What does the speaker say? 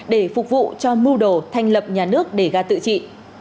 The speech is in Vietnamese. để phục vụ cho mưu đồ thanh lập nhà nước để ra tự trị